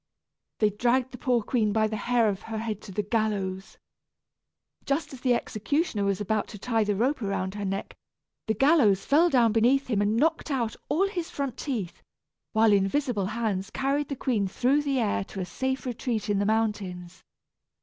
They dragged the poor queen by the hair of her head to the gallows. Just as the executioner was about to tie the rope around her neck, the gallows fell down beneath him and knocked out all his front teeth, while invisible hands carried the queen through the air to a safe retreat in the mountains.